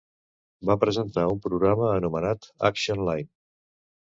Va presentar un programa anomenat Action Line.